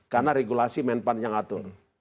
karena regulasi kemenpan yang atur